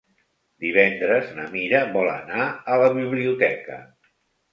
Divendres na Mira vol anar a la biblioteca.